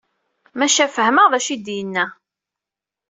Maca fehmeɣ d acu ay d-yenna.